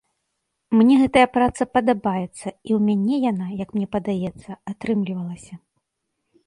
Мне гэтая праца падабаецца і ў мяне яна, як мне падаецца, атрымлівалася.